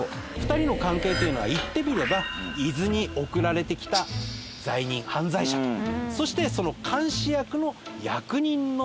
２人の関係というのは言ってみれば伊豆に送られてきた罪人犯罪者とそしてその監視役の役人の娘が政子。